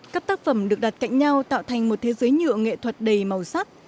các tác phẩm được đặt cạnh nhau tạo thành một thế giới nhựa nghệ thuật đầy màu sắc